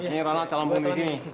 ini ronald calon punggung di sini